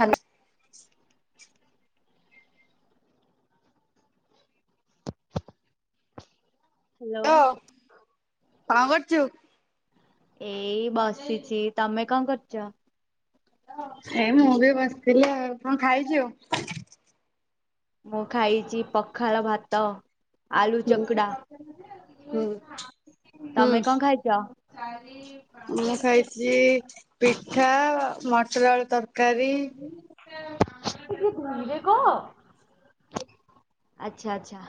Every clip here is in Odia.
Hello hello. କଣ କରୁଛୁ ଏଇ ବସିଛି ତମେ କଣ କରୁଛ। ଏଇ ମୁଁ ବି ବସିଥିଲି ଆଉ କଣ ଖାଇଛୁ। ମୁଁ ଖାଇଛି ପଖାଳ ଭାତ। ଆଲୁ ହୁଁ ଚକଡ଼ା ହୁଁ ହୁଁ ତମେ କଣ ଖାଇ କ [unintelligible] ମୁଁ ଖାଇଛି ପିଠା ମଟର ଆଳୁ ତରକାରୀ। [unintelligible] ଆଚଛା ଆଚ୍ଛା।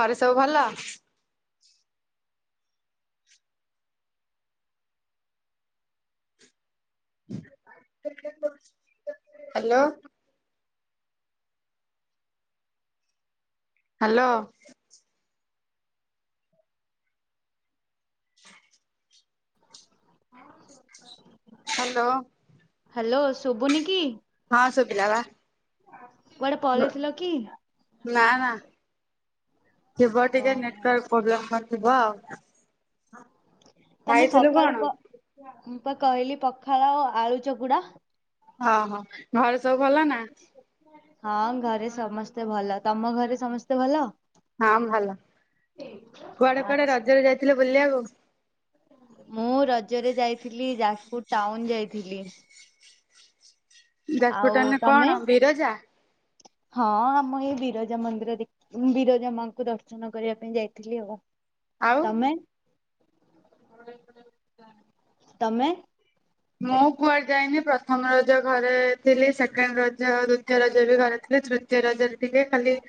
ଘରେ ସବୁ ଭଲ। ହ୍ୟାଲୋ। ହ୍ୟାଲୋ। ହ୍ୟାଲୋ। ହ୍ୟାଲୋ ଶୁଭୁନି କି? ହଁ ଶୁଭିଲା ବା। କୁଆଡେ ପଳେଇଥିଲ କି? ନା ନା ଥିବ ଟିକେ ଓହୋ ନେଟୱାର୍କ ପ୍ରୋବ୍ଲେମ ଥିବ ଆଉ। ତମେ ଖାଇଥିଲୁ କଣ? ସକାଳୁ କ ମୁଁ ତ କହିଲି ପଖାଳ ଓ ଆଳୁ ଚକୁୁଡା। ହଁ ହଁ ଘରେ ସବୁ ଭଲ ନା। ହଁ ଘରେ ସମସ୍ତେ ଭଲ ତମ ଘରେ ସମସ୍ତେ ଭଲ। ହଁ ଭଲ କୁଆଡେ କୁଆଡେ ଆଚ୍ଛା ରଜରେ ଯାଇଥିଲେ ବୁଲିବାକୁ। ମୁଁ ରଜରେ ଯାଇଥିଲି ଯାଜପୁର ଟାଉନ ଯାଇଥିଲି। ଯାଜପୁର ଆଉ ଟାଉନ ତମେ? କଣ ବିରଜା? ହଁ ଆମ ଏଇ ବିରଜା ମନ୍ଦିର ଦେଖ ବିରଜା ମାଙ୍କୁ ଦର୍ଶନ କରିବା ପାଇଁ ଯାଇଥିଲି ଆଉ ଆଉ ତମେ ତମେ ମୁଁ କୁଆଡେ ଯାଇନି ପ୍ରଥମ ରଜ ଘରେ ଥିଲି ସେକେଣ୍ଡ ରଜ ଦ୍ଵିତୀୟ ରଜ ବି ଘରେ ଥିଲି ତୃତ ରଜରେ ଥିଲେ ଖାଲି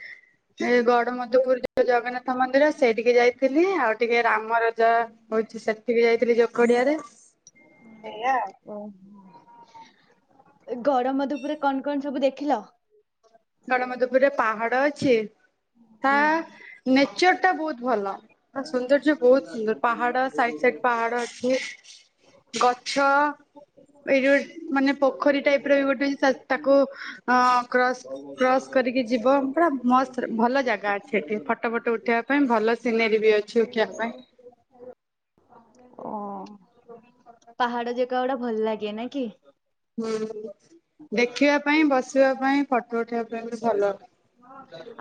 ଏ ଗଡମଧୁପୁର ଯୋଉ ଜଗନ୍ନାଥ ମନ୍ଦିର ସେଇ ଟିକେ ଯାଇଥିଲି ଆଉ ଟିକେ ରାମରଜ ହଉଛି ସେଠିକି ଯାଇଥିଲି ଯୋକଡିଆରେ। [inaudible] ସେଆ ଓହୋ ଗର ମଧୂପରେ କଣ କଣ ସବୁ ଦେଖିଲ ଗଡମଦପୁରରେ ପାହାଡ ଅଛି ତା ହୁଁ। ନେଚର ଟା ବହୁତ ଭଲ ହ ସୌନ୍ଦର୍ଯ୍ୟ ବହୁତ ସୁନ୍ଦର ପାହାଡ ସାଇଡ ସାଇଡ ପାହାଡ ଅଛି ଗଛ ଏଇୋ ମାନେ ପୋଖରୀ ଟାଇପ ର ବି ଗୋଟେଛି ତାକୁ ଅ କ୍ରସ୍ କ୍ରସ୍ କରିକି ଯିବ ପୁରା ମ ଭଲ ଜାଗା ଅଛି ସେଠି ଫଟୋ ଫଟୋ ଉଠେଇବା ପାଇଁ ଭଲ ସିନେରୀ ବି ଅଛି ଉଠିବା ପାଇଁ ଓ ପାହାଡ ଯାଗ ଗଡା ଭଲ ଲାଗେ ନ କି ହୁଁ ଦେଖିବା ପାଇଁ ବସିବା ପାଇଁ ଫଟୋଠ ତ ଭଲ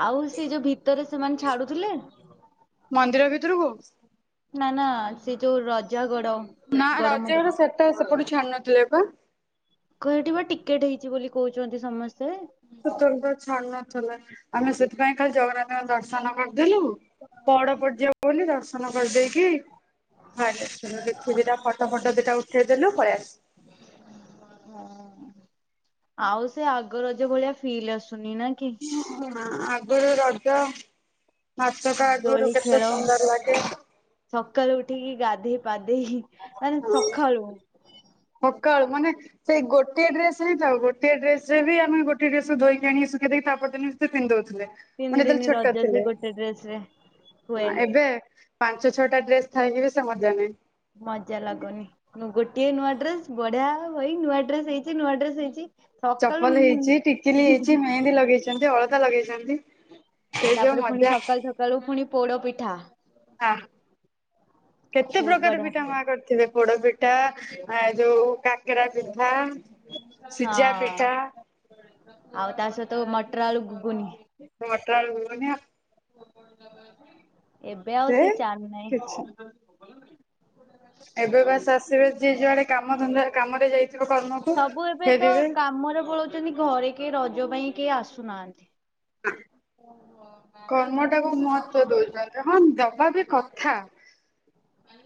ଆଉ ସେ ଯୋଉ ଭିତରେ ସେମାନେ ଛାଡୁଥିଲେ ମନ୍ଦିର ଭିତରକୁ ନା ନା ସେ ଯୋଉ ରଜାଗଡ ନା ରଜ ଘର ସେଟା ସେପଟେ ଛାଡୁ ନଥିଲେ କ ଘରେଠ ବା ଟିକେଟ ହେଇଛି ବୋଲି କହୁଛନ୍ତି ସମସ୍ତେ ସେ ତବେ ତ ଛାଡୁ ନଥିଲେ ଆମେ ସେଥିପାଇଁ ଖାଲି ଜଗନ୍ନାଥଙ୍କ ଦର୍ଶନ କରିଦେଥିଲୁ ବଡ ପଡିଯିବ ବୋଲି ଦର୍ଶନ କରିଦେଇକି ଭାଇ ୁରୀଟା ଫଟୋ ଫଟ ଦଟା ଉଠେଇଦେଲ ପଳ ଆସ ହଁ ଆଉ ସେ ଆଗର ଯେ ଭଳିଆ ଫିଲ୍ ଆସୁନି ନା କି ଆଗରୁ ରଜ ନାଚଟ ଆଗରୁ ଦୋଳି କେତେ ଖେଳ ସୁନ୍ଦର ଲାଗେ ସକାଳୁ ଉଠିକି ଗାଧୋଇ ପାଧେଇ ମାନେ ସକାଳୁ ଉତ୍କାଳୁ ମାନେ ସେଇ ଗୋଟ ଡ୍ରେସ ହିଁଉ ଗୋଟ ଡେସ ରେ ବି ଆମେ ଗୋେ ଡ୍ରେସ ଧକି ଆଣି ଶୁଖେଇ ଦେଇକି ତାପରେିନେ ପିନ୍ଧଉଥିଲେ ମେ ତିନି ଯେତେବେଳେ ଦିନି ଛୋଟ ରଜ ସେ ଥିଲେ ଗୋଟେ ଡ୍ରେସ ରେ ହୁଏ ହ ଏବେ ପାଞ୍ଚ ଛଅଟା ଡ୍ରେସ ଥକିବ ସେ ମଜା ନଁ ମଜା ଲାଗୁନି ଗୋଟିଏ ନୂଆ ଡ୍ରେସ ବଢିଆ ଭାଇ ନୂଆ ଡ୍ରେସ ହେଇଛି ନୂଆ ଡ୍ରେସ ହେଇଛି ସକାଳୁ ଚପଲ ହେଇଛି ଟିକିଲି ହେଇଛି ମେହେନ୍ଦୀ ଲଗେଇଛନ୍ତି ଅଳଦା ଲଗେଇଛନ୍ତି ସେ ଯୋଉ ତାପରେ ପୁଣି ମଜା ସକାଳୁ ସକାଳୁ ପୁଣି ପୋଡ ପିଠା ହ କେତେ ବହୁତ ପ୍ରକାର ବଢିଆ ପିଠା ଖାଏ ମା କରିଥିବେ ପୋଡ ପିଠା ପଟା ଆ ଯୋଉ କାକଡା ପିଧା ହଁ ଆଉ ତା ସହିତ ମଟର ଆଳୁ ଗୁଗୁନି ନଁଟନ ଏବେ ଆଉ ସେ ସି ଚା ନାହିଁ କିଛି ଏବେ ବାସ ଆସିବେ ଯିଏ ଯୁଆଡେ କାମ ଧନ୍ଦା କାମରେ ଯାଇଥ ସବୁ ଏବେ ତ କାମରେ ପଳଉଛନ୍ତି ଘରେ କେହି ରଜ ପାଇଁ କେହି ଆସୁନାହାନ୍ତି କର୍ମଟାକୁ ମହତ୍ଵ ଦଉଛନ୍ତି ହଁ ଦବା ବି କଥା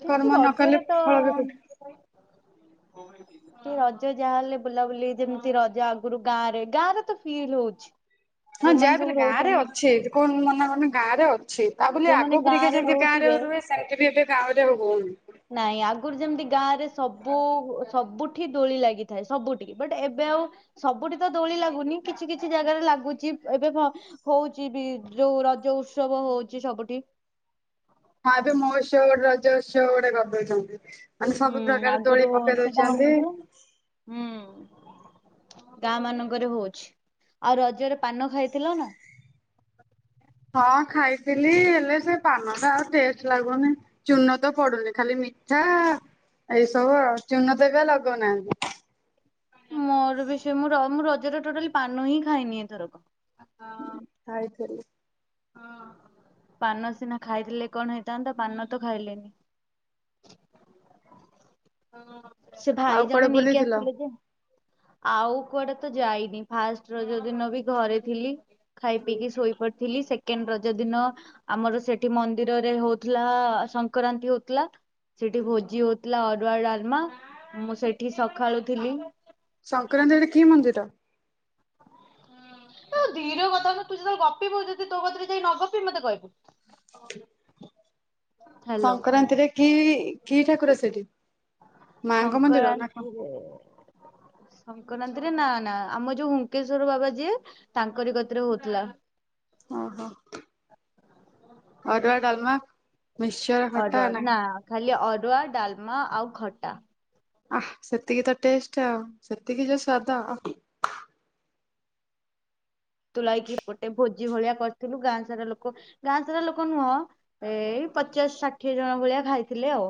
କିନ୍ତୁ କର୍ମ ନ କଲେ ରଜରେ ତ ଫଳ ବି କୋଉଠି ରଜ ଯାହାହଲେ ବୁଲାବୁଲି ଯେମିତି ରଜ ଆଗରୁ ଗାଁ ରେ ଗାଁ ରେ ତ ଫିଲ୍ ହଉଛି ହଁ ଯୋଉମାନେ ଯାହା ସବୁ ପିଲଲେ ଗାଁରେ ରହୁଛନ୍ତି ଅଛି କଣ ମନା କନ ଗାଁରେ ଅ ଅଛି ତା ବୋଲି ଯୋଉମାନେ ଆଗ ଗାଁ ପରୁରିକା ରେ ଯେମିତି ଗାଁରେ ରହୁଥିବେ ରୁହେ ସେମିତି ବି ଏବେ ଗାଁରେ ହଉନି ନାଇଁ ଆଗରୁ ଯେମିତି ଗାଁରେ ସବୁ ସବୁଠି ଦୋଳି ଲାଗିଥାଏ ସବୁଠି ବଟ୍ ଏବେ ଆଉ ସବୁଠି ତ ଦୋଳି ଲାଗୁନି କିଛି କିଛି ଜାଗାରେ ଲାଗୁଛି ଏବେ ହଉଛି ବି ଯୋଉ ରଜ ଉତ୍ସବ ହଉଛି ସବୁଠି ହଁ ଏବେ ମୋ ସ ଗୋଟେ ରଜ ଅ ଗୋଟେ ଗଦଉଛନ୍ତି ମାନେ ହୁଁ ସବୁ ପ୍ରକାର ଦୋଳି ଆଗରୁ ପକେଇ ସେଟା ଦଉଛନ୍ତି ହଉନଥିଲା ହୁଁ ଗାଁ ମାନଙ୍କରେ ହଉଛି ଆଉ ରଜରେ ପାନ ଖାଇଥିଲ ନା। ହଁ ଖାଇଥିଲି ହେଲେ ସେ ପାନ ଟା ଆଉ ଟେଷ୍ଟ ଲାଗୁନି। ଚୁନ ତ ପଡୁନି ଖାଲି ମିଠା ଏଇସବୁ ଆଉ ଚୁନତ କେବେ ଲଗଉନାହାନ୍ତି। ମୋର ବିଷୟ ମୁଁ ରଜରେ ଟୋଟାଲ ପାନ ହିଁ ଖାଇନି ଏଥରକ। ଖାଇଥିଲି। ପାନ ସିନା ଖାଇଥିଲେ କଣ ହେଇଥାନ୍ତା ପାନ ତ ଖାଇଲେନି। ସେ ଆଉ ଭାଇ କୁଆଡେ ଜଣେ ନେଇକି ବୁଲିଥିଲ? ଆସିଥିଲେ ଯେ ଆଉ କୁଆଡେ ତ ଯାଇନି ଫାଷ୍ଟ ରଜ ଦିନ ବି ଘରେ ଥିଲି। ଖାଇ ପିଇକି ଶୋଇ ପଡିଥିଲି ସେ ସେକେଣ୍ଡ ରଜ ଦିନ ଆମର ସେଠି ମନ୍ଦିରରେ ହଉଥିଲା ସଂକ୍ରାନ୍ତି ହଉଥିଲା। ସେଠି ଭୋଜି ହଉଥିଲା ଅରୁଆ ଡାଲମା ମୁଁ ସେଠି ସଖାଳୁଥିଲି। ସଂକ୍ରାନ୍ତିରେ କି ମନ୍ଦିର? ଧୀରେ କଥା କ ତୁ ଯେତେବେଳେ ଗପିବୁ ଯଦି ତ କଥାରେ ଯାଇ ନ ଗପିବି ମତେ କହିବୁ। ହ୍ୟାଲୋ ସଂକ୍ରାନ୍ତିରେ କି କି ଠାକୁର ସେଠି? ମାଙ୍କ ମନ୍ଦିର ନା କଣ ସଂକରାନ୍ତି ରେ ସଂକ୍ରାନ୍ତିରେ ନା ନା ଆମ ଯୋଉ ହୁକେଶ୍ଵର ବାବା ଯିଏ ତାଙ୍କରି କତିରେ ହଉଥିଲା। ଅ ହୋ। ଅରୁଆ ଡଲମା। ଅରୁଆ ନା ଖାଲି ଅରୁଆ ଡାଲମା ଆଉ ଖଟା। ଆଃ ସେତିକି ତ ଟେଷ୍ଟ ଆଉ ସେତିକି ଯୋଉ ସ୍ଵାଦ ଆଃ। ତୁଲାଇକି ଗୋଟେ ଭୋଜି ଭଳିଆ କରିଥିଲୁ ଗାଁ ସାରା ଲୋକ ଗାଁ ସାରା ଲୋକ ନୁହଁ ଏଇ ପଚାଶ ଷାଠିଏ ଜଣ ଭଳିଆ ଖାଇଥିଲେ ଆଉ।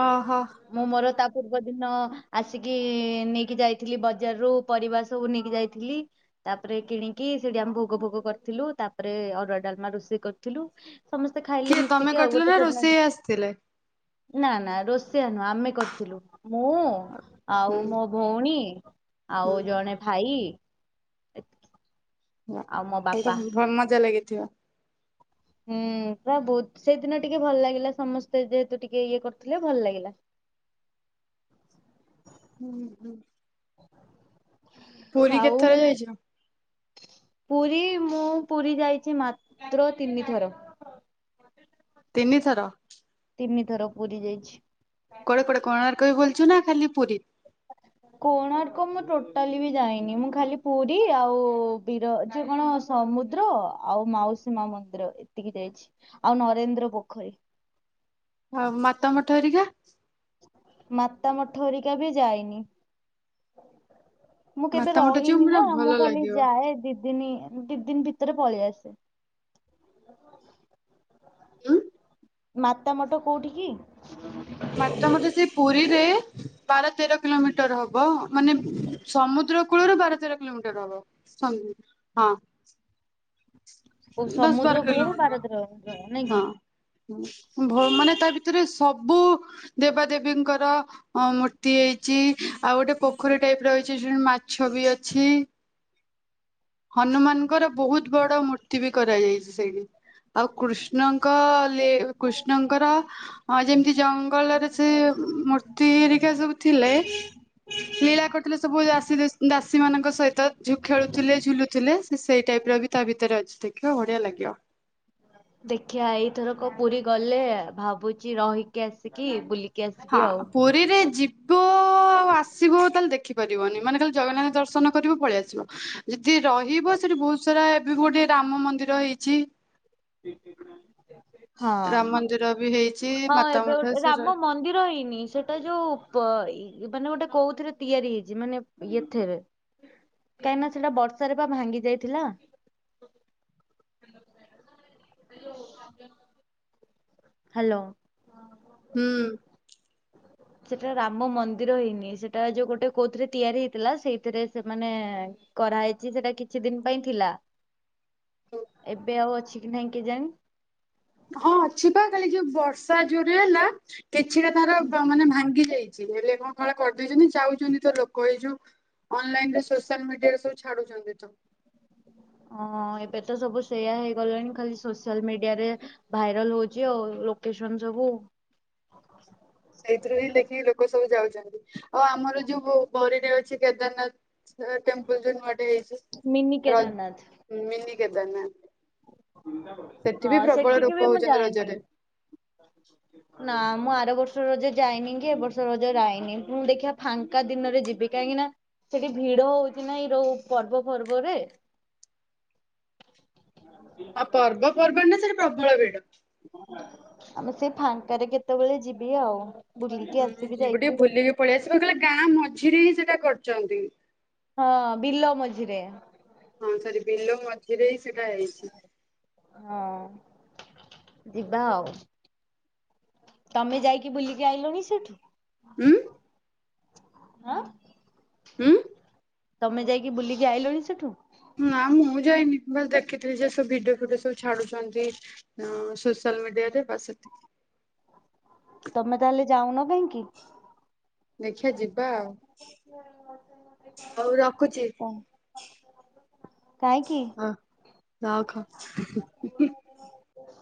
ଅହୋ। ମୁଁ ମୋର ତା ପୂର୍ବ ଦିନ ଆସିକି ନେଇକି ଯାଇଥିଲି ବଜାରରୁ ପରିବା ସବୁ ନେଇକି ଯାଇଥିଲି। ତାପରେ କିଣିକି ସେଠି ଆମେ ଭୋଗ ଫୋଗ କରିଥିଲୁ ତାପରେ ଅରୁଆ ଡାଲମା ରୋଷେଇ କରିଥିଲୁ। ସମସ୍ତେ ଖାଇଲେ ମିଶିକି ଆଉ ଗୋଟେ ସେଦିନ। ଥିଲେ। ନା ନା ରୋଷେଇଆ ନୁହଁ ଆମେ କରିଥିଲୁ ମୁଁ ଆଉ ହୁଁ ମୋ ଭଉଣୀ ଆଉ ହୁଁ। ଜଣେ ଭାଇ ଆଉ ମୋ ତାହାଲେ ବାପା। ତ ଭଲ ମଜା ଲାଗିଥିବ। ହୁଁ ପୁରା ବହୁତ ସେଇଦିନ ଟିକେ ଭଲ ଲାଗିଲା ସମସ୍ତେ ଯେହେତୁ ଟିକେ ଇଏ କରିଥିଲେ ଭଲ ଲାଗିଲା। ହୁଁ ହୁଁ। ପୁରୀ ଆଉ କେତେଥର ଯାଇଚ? ପୁରୀ ମୁଁ ପୁରୀ ଯାଇଚି ମାତ୍ର ତିନିଥର। ତିନିଥର। ତିନିଥର ପୁରୀ ଯାଇଛି। କୋଆଡେ କୋଆଡେ କୋଣାର୍କ ବି ବୁଲିଚ ନା ଖାଲି ପୁରୀ? କୋଣାର୍କ ମୁଁ ଟୋଟାଲି ବି ଯାଇନି ମୁଁ ଖାଲି ପୁରୀ ଆଉ ବିର ଯୋଉ କଣ ସମୁଦ୍ର ଆଉ ମାଉସୀ ମା ମନ୍ଦିର ଏତିକି ଯାଇଛି ଆଉ ନରେନ୍ଦ୍ର ପୋଖରୀ। ଆଉ ମାତା ମଠ ହେରିକା। ମାତା ମଠ ହରିକା ବି ଯାଇନି। ମୁଁ କେବେ ମାତା ମଠ ଯିବୁ ରହିନି ପୁରା ନା ଭଲ ମୁଁ ଖାଲି ଲାଗିବ। ଯାଏ ଦି ଦିନି ଦି ଦିନ ଭିତରେ ପଳେଇ ଆସେ। ଉଁ। ମାତା ମଠ କୋଉଁଠି କି? ମାତା ମଠ ସେଇ ପୁରୀରେ ବାର ତେର କିଲୋମିଟର ହବ। ମାନେ ସମୁଦ୍ର କୂଳରୁ ବାର ତେର କିଲୋମିଟର ହବ [unintelligible] ହଁ। ଓ ଦଶ ସମୁଦ୍ର ବାର କୂଳରୁ କିିଲୋମିଟର ବାର କିଲୋମିଟର ନାଇଁ ହଁ। କି? ହୁଁ ଭ ମାନେ ତା ଭିତରେ ସବୁ ଦେବାଦେବୀଙ୍କର ଅ ମୂର୍ତ୍ତି ହେଇଛି ଆଉ ଗୋଟେ ପୋଖରୀ ଟାଇପ ର ରହିଛି [unintelligible] ମାଛ ବି ଅଛି। ହନୁମାନଙ୍କର ବହୁତ ବଡ ମୂ ଏଠି ବି କରାଯାଇଛି ସେଇଠି ଆଉ କୃଷ୍ଣଙ୍କ ଲୀ କୃଷ୍ଣଙ୍କର ହଁ ଯେମିତି ଜଙ୍ଗଲରେ ସେ ମୂର୍ତ୍ତି ହେରିକା ସବୁ ଥିଲେ। ଲୀଳା କରୁଥିଲେ ସବୁ ଦାସୀ ଦାସୀ ମାନଙ୍କ ସହିତ ଝୁ ଖେଳୁଥିଲେ ଝୁଲୁଥିଲେ ସେ ସେଇ ଟାଇପ ର ବି ତା ଭିତରେ ଅଛି ଦେଖିବ ବଢିଆ ଲାଗିବ। ଦେଖିିବା ଏଇଥର କ ପୁରୀ ଗଲେ ଭାବୁଛି ରହିକି ଆସିକି ବୁଲିକି ହଁ ଆସିବି ଆଉ। ପୁରୀରେ ଯିବୁ ଉ ଆଉ ଆସିବୁ ତାହେଲେ ଦେଖିପାରିବନି ମାନେ ଖାଲି ଜଗନାଥ ଦର୍ଶନ କରିବ ପଳେଇ ଆସିବ। ଯଦି ରହିବ ସେଠି ବହୁତ ସାରା ଏବେ ଗୋଟେ ରାମ ମନ୍ଦିର ହେଇଛି। ିକ ହଁ ରାମ ମନ୍ଦିର ବି ହେଇଛି ହଁ ମାତା ଏବେ ମଠ ଗୋଟେ ସେ ର ରାମ ମନ୍ଦିର ହେଇନି ସେଟା ଗୋଟେ ଯୋଉ ପ ମାନେ ଗୋଟେ କୋଉଥିରେ ତିଆରି ହେଇଛି ମାନେ ଏଥିରେ କାହିଁକି ନା ସେଟା ବର୍ଷାରେ ବା ଭାଙ୍ଗି ଯାଇଥିଲା। Hello [unintelligible] hello. ହୁଁ। ସେଟା ରାମ ମନ୍ଦିର ହେଇନି ସେଟା ଯୋଉ ଗୋଟେ କୋଉଥିରେ ତିଆରି ହେଇଥିଲା ସେଇଥିରେ ସେମାନେ କରାହେଇଛି ସେଟା କିଛି ଦିନ ପାଇଁ ଥିଲା। ଏବେ ଆଉ ଅଛି କି ନାଇଁ କେଜାଣି? ହଁ ଅଛି ବା ଖାଲି ଯୋଉ ବର୍ଷା ଯୋଉରେ ହେଲା କିଛିଟା ତାର ମାନେ ଭାଙ୍ଗି ଯାଇଛି। ଚିନେରେ କଣ କ କରିଦେଇଛନ୍ତି ଯାଉଛନ୍ତି ତ ଲୋକ ହେଇଯୋଉ ଅନଲାଇନ୍ ରେ ସୋସିଆଲ ମିଡିଆରେ ସବୁ ଛାଡୁଛନ୍ତି ତ। ହଁ ଏବେ ତ ସବୁ ସେଇୟା ହେଇଗଲାଣି ଖାଲି ସୋସିଆଲ ମିଡିଆରେ ଭାଇରାଲ ହଉଛି ଆଉ ଲୋକେସନ ସବୁ। ସେଇଥିରେ ହିଁ ଦେଖିକି ଲୋକ ସବୁ ଯାଉଛନ୍ତି। ଓ ଆମର ଯୋଉ ବ ବରୀଟରେ ଅଛି କେଦାରନାଥ ଟେମ୍ପଲ ଯୋଉ ନୂଆଟେ ହେଇଛି। ମିିନି କେଦାରନାଥ। ହ ମିନିି କେଦାରନାଥ। ସେଠି ବି ହଁ ପ୍ରବଳ ସେଠିକି ବି ଲୋକ ମୁଁ ହଉଛନ୍ତି ଯାଇନି। ରଜରେ। ନା ମୁଁ ଆର ବର୍ଷ ରଜେ ଯାଇନି କି ଏ ବର୍ଷ ରଜେ ଯାଇନି ଯଦି ଦେଖିବା ଫାଙ୍କା ଦିନରେ ଯିବି। କାହିଁକି ନା ସେଠି ଭିଡ ହଉଛି ନା ଏଇ ଯୋଉ ପର୍ବ ପର୍ବରେ। ଆଉ ପର୍ବ ପର୍ବାଣୀ ରେ ସେଇଟି ପ୍ରବଳ ରେଟ୍। ଆମେ ସେଇ ଫାଙ୍କାରେ କେତେବେଳେ ଯିବି ଆଉ ବୁଲିକି ହୁଁ ଆସିବି ଯିବୁ ଟିକେ ଯାଇକି। ବୁଲିକି ପଳେଇ ଆସିବି କାରଣ କହିଲ ଗାଁ ମଝିରେ ହିଁ ସେଇଟା କରଛନ୍ତି। ହଁ ବିଲ ମଝିରେ। ହଁ ସରି ବିଲ ମଝିରେ ହିଁ ସେଟା ହେଇଛି। ହଁ ଯିବା ଆଉ। ତମେ ଯାଇକି ବୁଲିକି ଆଇଲଣିି ସେଇଠୁ। ହୁଁ। ହଁ। ହୁଁ। ତମେ ଯାଇକି ବୁଲିକି ଆଇଲଣି ସେଠୁ। ନା ମୁଁ ଯାଇନି ବାସ୍ ଦେଖିଥିଲି ଯେ ସବୁ ଭିଡିଓ ଫିଡିଓ ସବୁ ଛାଡୁଛନ୍ତି। ହଁ ସୋସିଆଲ ମିଡିଆରେ ବାସ୍ ସେତିକି। ତମେ ତାହେଲେ ଯାଉନ କହିଁକି? ଦେଖିବା ଯିବା ଆଉ ହଉ ରଖୁଛି। କାହିଁକି? ଅ ରଖ [unintelligible]